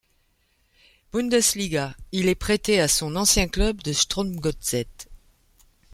Bundesliga, il est prêté à son ancien club de Strømsgodset.